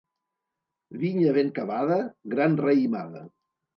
Vinya ben cavada, gran raïmada.